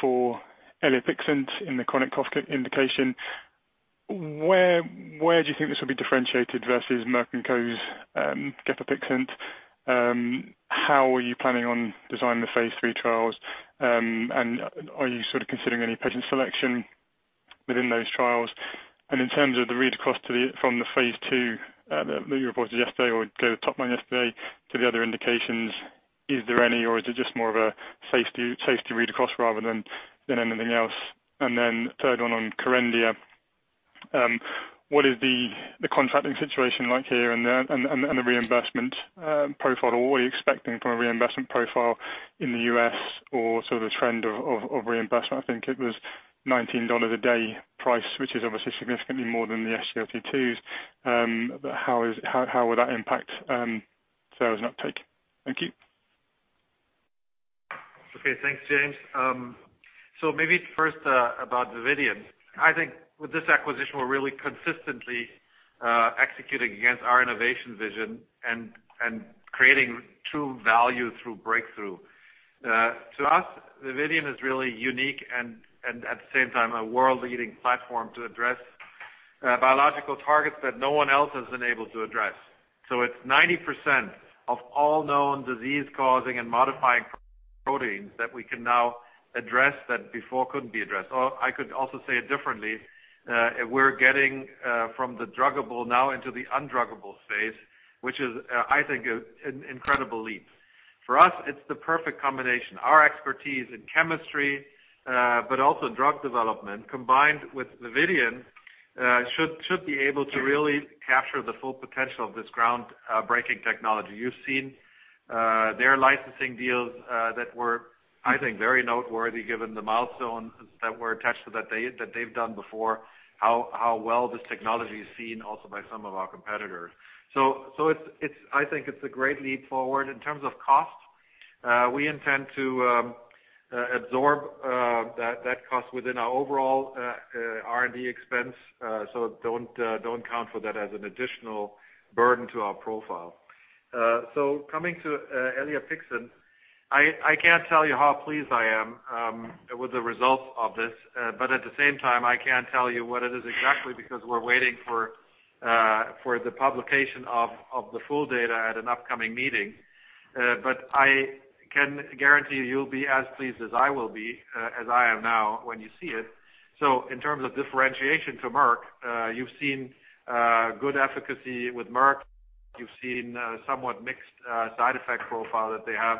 For eliapixant in the chronic cough indication, where do you think this will be differentiated versus Merck & Co.'s gefapixant? How are you planning on designing the phase III trials? Are you sort of considering any patient selection within those trials? In terms of the read across from the phase II that you reported yesterday or gave the top line yesterday to the other indications, is there any, or is it just more of a phase II taste to read across rather than anything else? Third one on Kerendia. What is the contracting situation like here and the reinvestment profile, or what are you expecting from a reinvestment profile in the U.S. or sort of the trend of reinvestment? I think it was $19 a day price, which is obviously significantly more than the SGLT2s. How will that impact sales and uptake? Thank you. Okay. Thanks, James. Maybe first about Vividion. I think with this acquisition, we're really consistently executing against our innovation vision and creating true value through breakthrough. To us, Vividion is really unique and at the same time, a world-leading platform to address biological targets that no one else has been able to address. It's 90% of all known disease-causing and modifying proteins that we can now address that before couldn't be addressed. I could also say it differently. We're getting from the druggable now into the undruggable phase, which is, I think, an incredible leap. For us, it's the perfect combination. Our expertise in chemistry, but also drug development, combined with Vividion, should be able to really capture the full potential of this groundbreaking technology. You've seen their licensing deals that were, I think, very noteworthy given the milestones that were attached to that they've done before, how well this technology is seen also by some of our competitors. I think it's a great leap forward. In terms of cost, we intend to absorb that cost within our overall R&D expense. Don't count for that as an additional burden to our profile. Coming to eliapixant, I can't tell you how pleased I am with the results of this. At the same time, I can't tell you what it is exactly because we're waiting for the publication of the full data at an upcoming meeting. I can guarantee you'll be as pleased as I am now when you see it. In terms of differentiation to Merck, you've seen good efficacy with Merck. You've seen a somewhat mixed side effect profile that they have.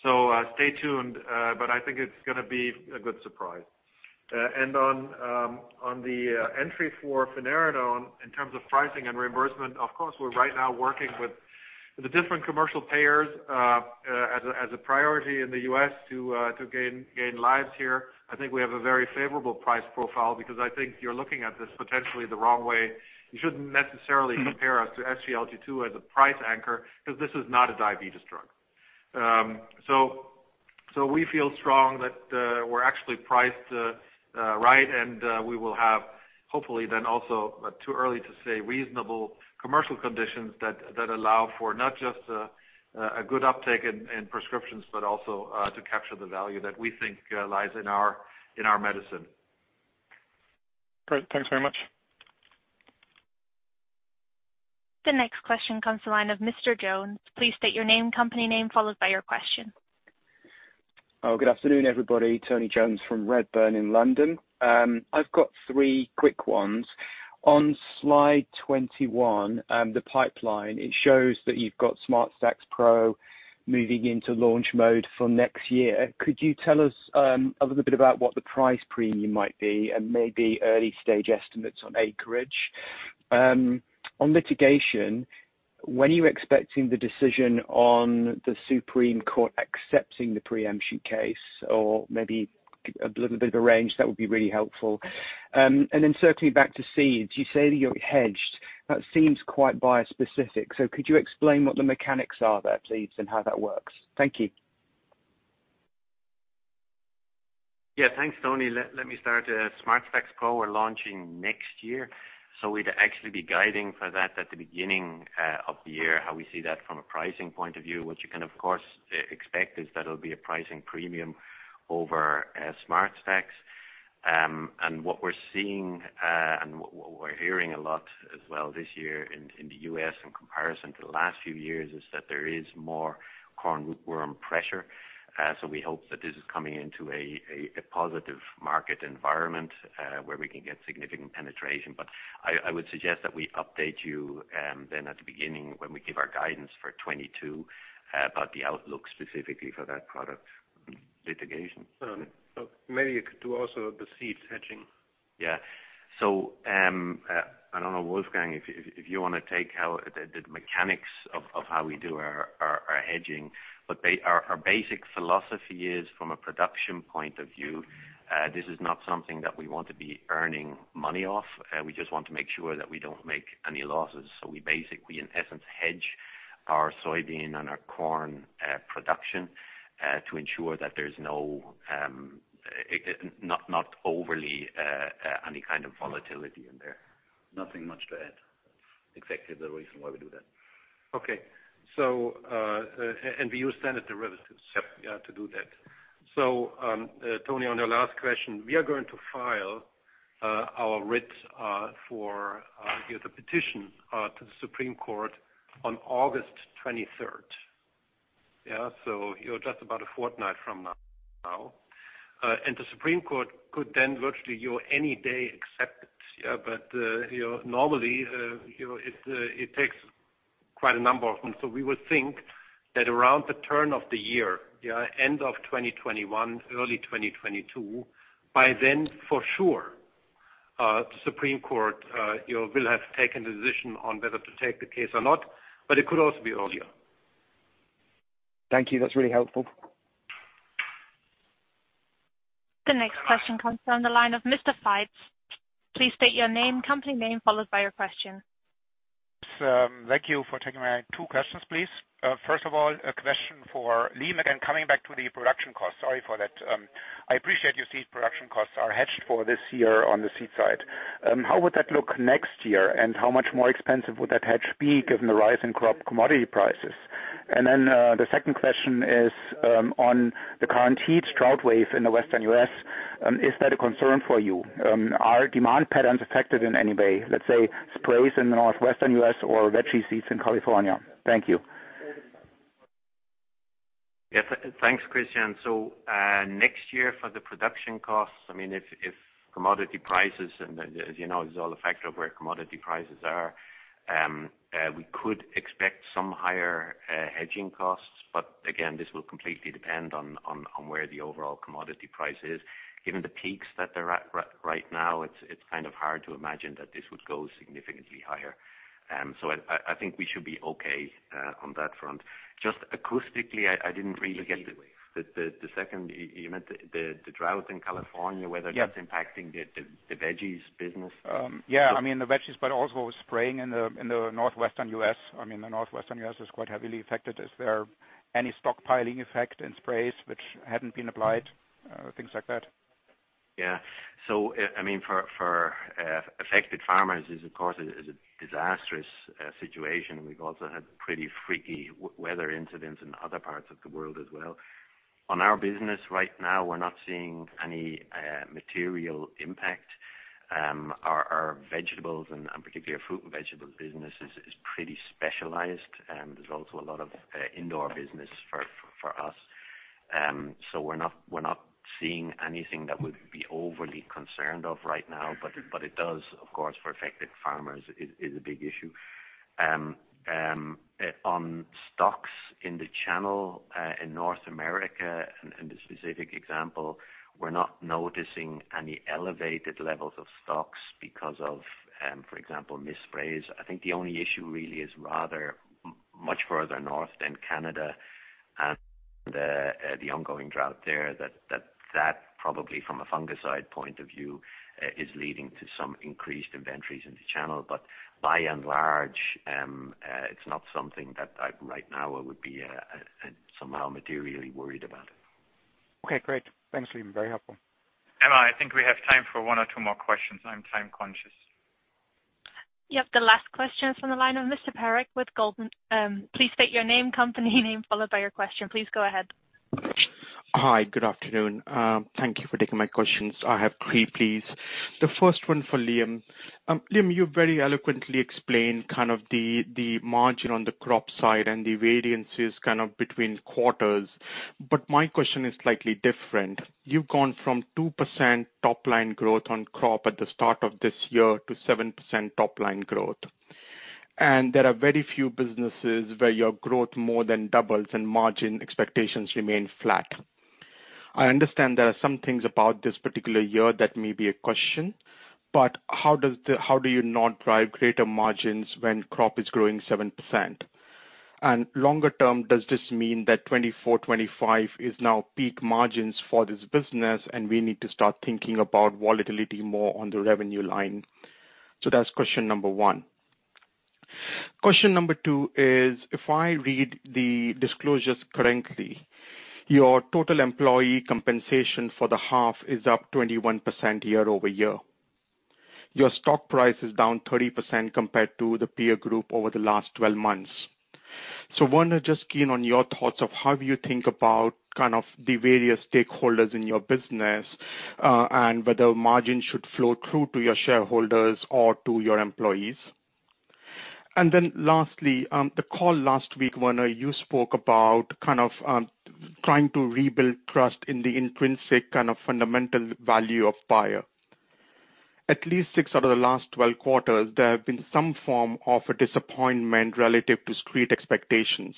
Stay tuned, but I think it's going to be a good surprise. On the entry for finerenone in terms of pricing and reimbursement, of course, we're right now working with the different commercial payers as a priority in the U.S. to gain lives here. I think we have a very favorable price profile because I think you're looking at this potentially the wrong way. You shouldn't necessarily compare us to SGLT2 as a price anchor because this is not a diabetes drug. We feel strong that we're actually priced right and we will have, hopefully then also, but too early to say reasonable commercial conditions that allow for not just a good uptake in prescriptions, but also to capture the value that we think lies in our medicine. Great. Thanks very much. The next question comes to the line of Mr. Jones. Please state your name, company name, followed by your question. Good afternoon, everybody. Tony Jones from Redburn in London. I've got three quick ones. On slide 21, the pipeline, it shows that you've got SmartStax PRO moving into launch mode for next year. Could you tell us a little bit about what the price premium might be and maybe early-stage estimates on acreage? On litigation, when are you expecting the decision on the Supreme Court accepting the pre-emption case or maybe a little bit of a range? That would be really helpful. Circling back to seeds, you say that you're hedged. That seems quite Bayer-specific. Could you explain what the mechanics are there, please, and how that works? Thank you. Thanks, Tony. Let me start. SmartStax PRO we're launching next year, we'd actually be guiding for that at the beginning of the year, how we see that from a one point of view. What you can, of course, expect is that it'll be a pricing premium over SmartStax. What we're seeing, and what we're hearing a lot as well this year in the U.S. in comparison to the last few years is that there is more corn rootworm pressure. We hope that this is coming into a positive market environment where we can get significant penetration. I would suggest that we update you then at the beginning when we give our guidance for 2022 about the outlook specifically for that product litigation. Maybe you could do also the seeds hedging. Yeah. I don't know, Wolfgang, if you want to take how the mechanics of how we do our hedging. Our basic philosophy is from a production point of view, this is not something that we want to be earning money off. We just want to make sure that we don't make any losses. We basically in essence hedge our soybean and our corn production to ensure that there's not overly any kind of volatility in there. Nothing much to add. Exactly the reason why we do that. Okay. We use standard derivatives. Yep to do that. Tony, on your last question, we are going to file our writ for the petition to the Supreme Court on August 23rd. Just about a fortnight from now. The Supreme Court could then virtually any day accept it. Normally, it takes quite a number of months. We would think that around the turn of the year, end of 2021, early 2022, by then for sure, the Supreme Court will have taken the decision on whether to take the case or not, but it could also be earlier. Thank you. That's really helpful. The next question comes from the line of Mr. Faitz. Please state your name, company name, followed by your question. Yes, thank you for taking my two questions, please. First of all, a question for Liam, again, coming back to the production cost. Sorry for that. I appreciate your seed production costs are hedged for this year on the seed side. How would that look next year, and how much more expensive would that hedge be given the rise in crop commodity prices? Then, the second question is on the current heat drought wave in the Western U.S. Is that a concern for you? Are demand patterns affected in any way, let's say sprays in the Northwestern U.S. or veggie seeds in California? Thank you. Yeah. Thanks, Christian. Next year for the production costs, if commodity prices and as you know, this is all a factor of where commodity prices are. We could expect some higher hedging costs, but again, this will completely depend on where the overall commodity price is. Given the peaks that they're at right now, it's kind of hard to imagine that this would go significantly higher. I think we should be okay on that front. Just acoustically, I didn't really get the second, you meant the drought in California, whether that's impacting the veggies business? Yeah, the veggies, but also spraying in the Northwestern U.S. The Northwestern U.S. is quite heavily affected. Is there any stockpiling effect in sprays which hadn't been applied? Things like that. Yeah. For affected farmers, this, of course, is a disastrous situation. We've also had pretty freaky weather incidents in other parts of the world as well. On our business right now, we're not seeing any material impact. Our vegetables and particularly our fruit and vegetable business is pretty specialized. There's also a lot of indoor business for us. We're not seeing anything that would be overly concerned of right now. It does, of course, for affected farmers, is a big issue. On stocks in the channel, in North America in the specific example, we're not noticing any elevated levels of stocks because of, for example, mis-sprays. I think the only issue really is rather much further north than Canada and the ongoing drought there that probably from a fungicide point of view, is leading to some increased inventories in the channel. By and large, it's not something that I, right now, I would be somehow materially worried about. Okay, great. Thanks, Liam. Very helpful. Emma, I think we have time for one or two more questions. I am time conscious. Yep. The last question is from the line of Mr. Parekh with Goldman. Please state your name, company name, followed by your question. Please go ahead. Hi. Good afternoon. Thank you for taking my questions. I have three, please. The first one for Liam. Liam, you very eloquently explained the margin on the crop side and the variances between quarters, my question is slightly different. You've gone from 2% top-line growth on crop at the start of this year to 7% top-line growth. There are very few businesses where your growth more than doubles and margin expectations remain flat. I understand there are some things about this particular year that may be a question, how do you not drive greater margins when crop is growing 7%? Longer term, does this mean that 2024, 2025 is now peak margins for this business and we need to start thinking about volatility more on the revenue line? That's question number one. Question number two is, if I read the disclosures correctly, your total employee compensation for the half is up 21% year-over-year. Your stock price is down 30% compared to the peer group over the last 12 months. Werner, just keen on your thoughts of how you think about the various stakeholders in your business, and whether margin should flow through to your shareholders or to your employees. Lastly, the call last week, Werner, you spoke about trying to rebuild trust in the intrinsic fundamental value of Bayer. At least six out of the last 12 quarters, there have been some form of a disappointment relative to street expectations.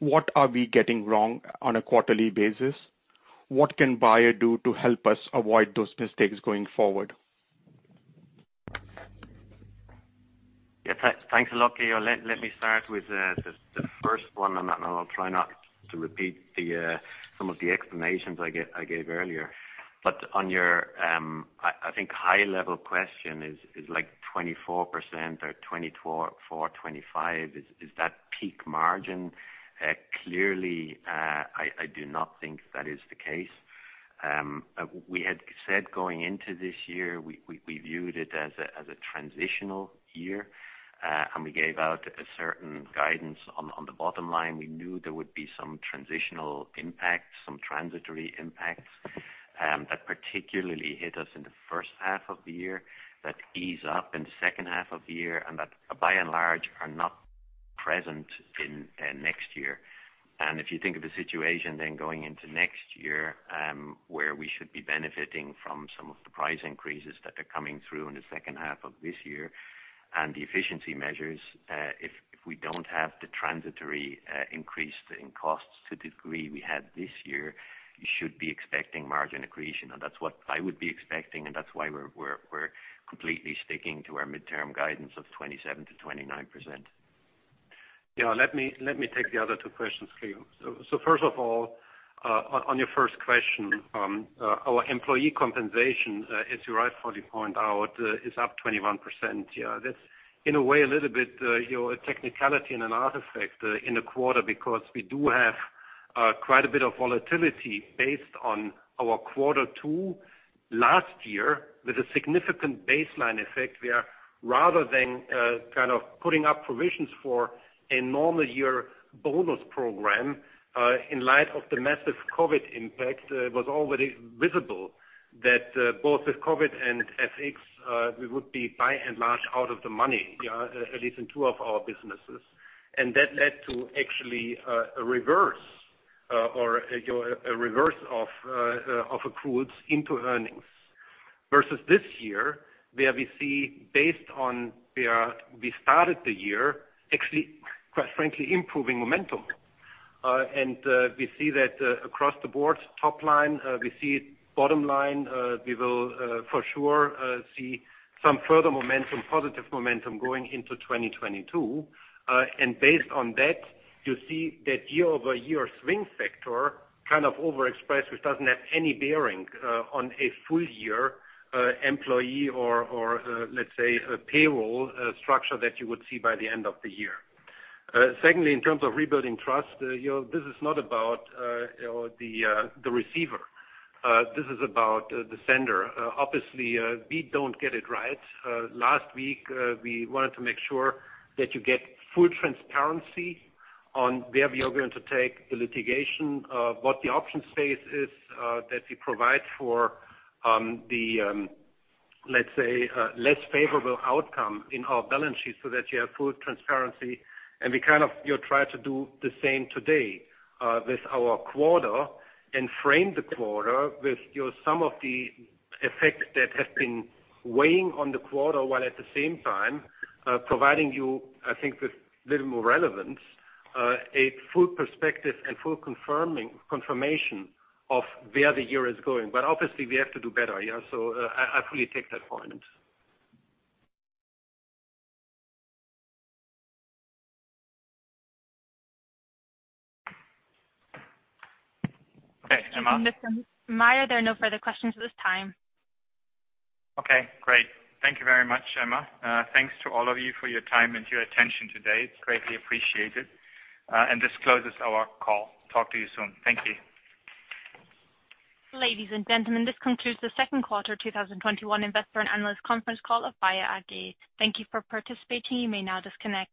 What are we getting wrong on a quarterly basis? What can Bayer do to help us avoid those mistakes going forward? Yeah. Thanks a lot. Let me start with the first one. I'll try not to repeat some of the explanations I gave earlier. On your I think high-level question is like 24% or 2024/2025, is that peak margin? Clearly, I do not think that is the case. We had said going into this year, we viewed it as a transitional year. We gave out a certain guidance on the bottom line. We knew there would be some transitional impacts, some transitory impacts that particularly hit us in the H1 of the year, that ease up in the H2 of the year that by and large are not present in next year. If you think of the situation then going into next year, where we should be benefiting from some of the price increases that are coming through in the H2 of this year and the efficiency measures, if we don't have the transitory increase in costs to the degree we had this year, you should be expecting margin accretion. That's what I would be expecting and that's why we're completely sticking to our midterm guidance of 27%-29%. Yeah, let me take the other two questions, Liam. First of all, on your first question, our employee compensation, as you rightfully point out, is up 21%. That's in a way, a little bit a technicality and an artifact in the quarter because we do have quite a bit of volatility based on our Q2 last year with a significant baseline effect where rather than putting up provisions for a normal year bonus program, in light of the massive COVID impact, it was already visible that both with COVID and FX, we would be by and large out of the money, at least in two of our businesses. That led to actually a reverse of accruals into earnings. Versus this year, where we see based on where we started the year, actually, quite frankly, improving momentum. We see that across the board, top line, we see it bottom line. We will for sure see some further momentum, positive momentum going into 2022. Based on that, you see that year-over-year swing factor over-expressed, which doesn't have any bearing on a full-year employee or let's say a payroll structure that you would see by the end of the year. Secondly, in terms of rebuilding trust, this is not about the receiver. This is about the sender. Obviously, we don't get it right. Last week, we wanted to make sure that you get full transparency on where we are going to take the litigation, what the option space is that we provide for the let's say, less favorable outcome in our balance sheet so that you have full transparency and we try to do the same today with our quarter and frame the quarter with some of the effects that have been weighing on the quarter while at the same time providing you, I think with a little more relevance, a full perspective and full confirmation of where the year is going. Obviously we have to do better. I fully take that point. Mr. Maier, there are no further questions at this time. Okay, great. Thank you very much, Emma. Thanks to all of you for your time and your attention today. It's greatly appreciated. This closes our call. Talk to you soon. Thank you. Ladies and gentlemen, this concludes the Q2 2021 investor and analyst conference call of Bayer AG. Thank you for participating. You may now disconnect.